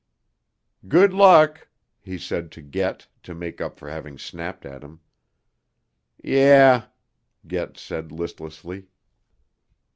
"Good luck," he said to Get to make up for having snapped at him. "Yeah," Get said listlessly.